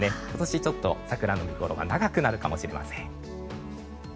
今年はちょっと桜の見ごろが長くなるかもしれません。